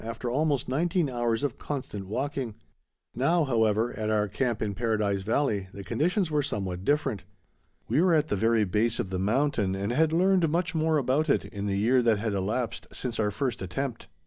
after almost nineteen hours of constant walking. Now, however, at our camp in Paradise Valley, the conditions were somewhat different. We were at the very base of the mountain, and had learned much more about it, in the year that had elapsed since our first attempt.